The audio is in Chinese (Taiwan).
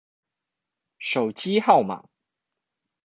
手機號碼